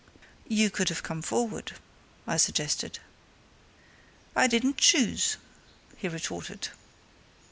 "You could have come forward," I suggested. "I didn't choose," he retorted.